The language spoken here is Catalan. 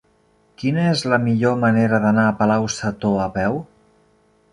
Quina és la millor manera d'anar a Palau-sator a peu?